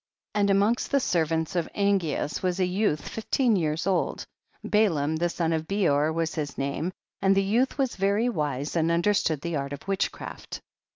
8. And amongst the servants of Angeas was a yoiith fifteen years old, Balaam the son of Bcor was his name, and the youth was very wise and understood ihc art of witchcraft.